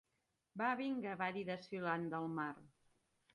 Va vinga, va dir desafiant Del Mar.